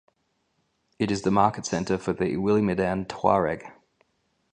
It is the market center for the Iwillimidan Tuareg.